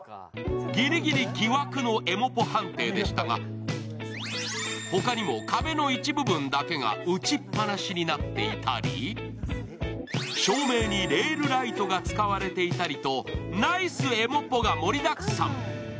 ギリギリ疑惑のエモポ判定でしたがほかにも壁の一部分だけが打ちっぱなしになっていたり、照明にレールライトが使われていたりと、ナイス・エモポが盛りだくさん。